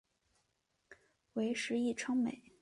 为时议称美。